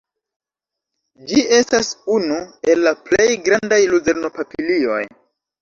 Ĝi estas unu el la plej grandaj luzerno-papilioj.